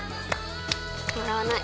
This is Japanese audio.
笑わない。